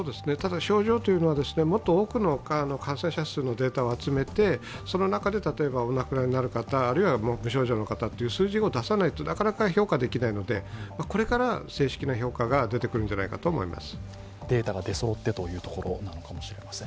症状というのはもっと多くの感染者数のデータを集めてその中で、例えばお亡くなりになる方、あるいは無症状の方数字を出さないと、なかなか評価できないので、これから正式な評価が出てくるんじゃないかと思います。